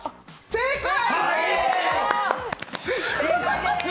正解！